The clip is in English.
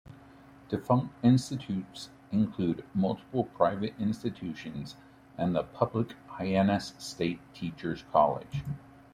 Defunct institutes include multiple private institutions, and the public Hyannis State Teachers College.